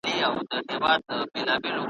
زېږوې که د دې خلکو په څېر بل خر `